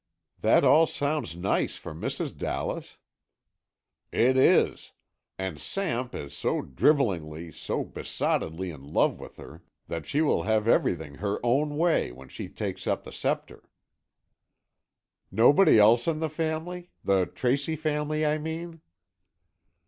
"That all sounds nice for Mrs. Dallas." "It is. And Samp is so drivellingly, so besottedly in love with her, that she will have everything her own way when she takes up the sceptre." "Nobody else in the family? The Tracy family, I mean."